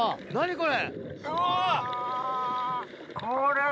これ。